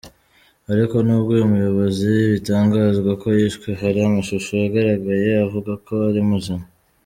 Ariko nubwo uyu muyobozi bitangazwa ko yishwe hari amashusho yagaragaye avuga ko ari muzima.